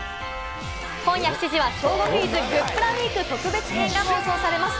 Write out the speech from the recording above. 今夜７時は『小５クイズ』グップラウィーク特別編が放送されます。